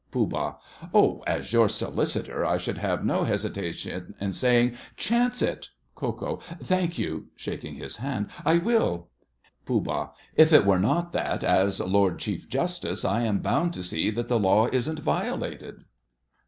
POOH. Oh, as your Solicitor, I should have no hesitation in saying "Chance it——" KO. Thank you. (Shaking his hand.) I will. POOH. If it were not that, as Lord Chief Justice, I am bound to see that the law isn't violated.